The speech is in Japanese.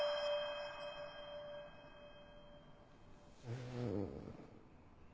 うん。